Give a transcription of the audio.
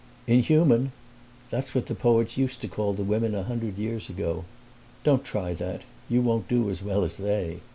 "Inhuman? That's what the poets used to call the women a hundred years ago. Don't try that; you won't do as well as they!"